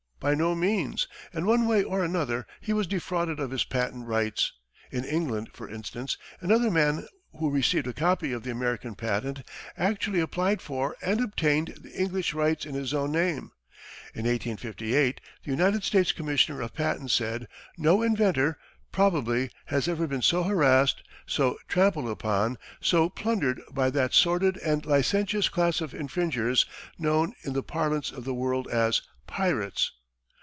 By no means! In one way or another, he was defrauded of his patent rights. In England, for instance, another man who received a copy of the American patent, actually applied for and obtained the English rights in his own name. In 1858, the United States Commissioner of Patents said, "No inventor, probably, has ever been so harassed, so trampled upon, so plundered by that sordid and licentious class of infringers known in the parlance of the world as 'pirates.'"